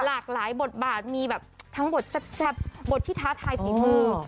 หลากหลายบทบาทมีแบบทั้งบทแซ่บบทที่ท้าทายฝีมือ